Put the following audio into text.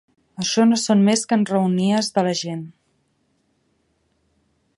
Això no són més que enraonies de la gent.